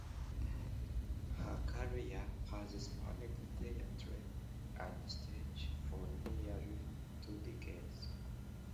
Her career has spanned theatre and stage for nearly two decades.